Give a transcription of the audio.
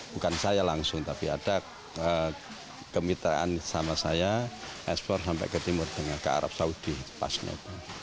bukan saya langsung tapi ada kemitraan sama saya espor sampai ke timur tengah ke arab saudi pasnya itu